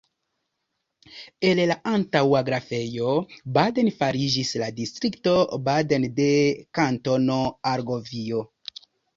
El la antaŭa Grafejo Baden fariĝis la distrikto Baden de Kantono Argovio.